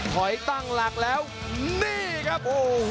ถอยตั้งหลักแล้วนี่ครับโอ้โห